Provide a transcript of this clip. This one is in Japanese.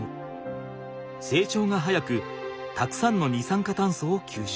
せいちょうが早くたくさんの二酸化炭素を吸収する。